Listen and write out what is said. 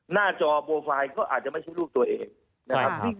หน้าจอโปรไฟล์ก็อาจจะไม่ใช่ลูกตัวเองนะครับ